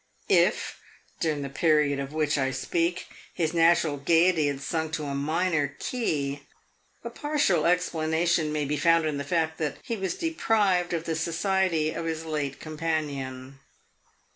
If, during the period of which I speak, his natural gayety had sunk to a minor key, a partial explanation may be found in the fact that he was deprived of the society of his late companion.